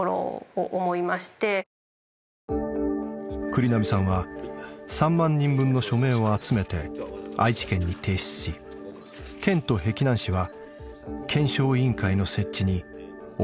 栗並さんは３万人分の署名を集めて愛知県に提出し県と碧南市は検証委員会の設置に重い腰を上げました。